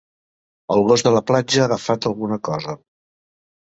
El gos de la platja ha agafat alguna cosa.